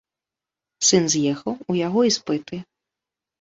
Сын з'ехаў, у яго іспыты.